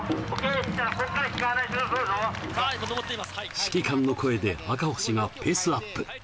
指揮官の声で赤星がペースアップ。